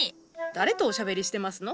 誰とおしゃべりしてますの？